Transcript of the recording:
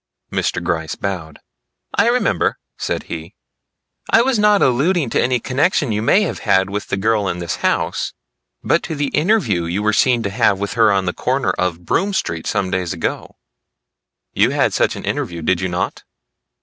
Mr. Gryce bowed. "I remember," said he. "I was not alluding to any connection you may have had with the girl in this house, but to the interview you were seen to have with her on the corner of Broome Street some days ago. You had such an interview, did you not?"